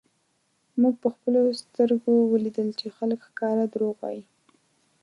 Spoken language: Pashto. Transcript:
مونږ په خپلو سترږو ولیدل چی خلک ښکاره درواغ وایی